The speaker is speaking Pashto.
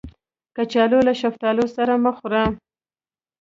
کچالو له شفتالو سره مه خوړه